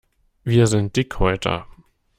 Wir sind Dickhäuter.